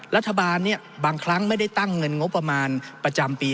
รัฐบาลบางครั้งไม่ได้ตั้งเงินงบประมาณประจำปี